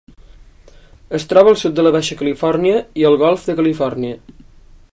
Es troba al sud de la Baixa Califòrnia i el Golf de Califòrnia.